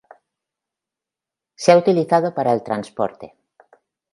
Se ha utilizado para el transporte.